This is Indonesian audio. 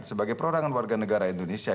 sebagai perorangan warga negara indonesia